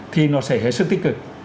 thì nó sẽ hệ sức tích cực